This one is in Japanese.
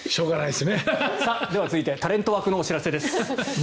では、続いてタレント枠のお知らせです。